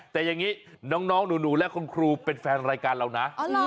แต่อย่างนี้น้องหนูและคุณครูเป็นแฟนรายการเรานะ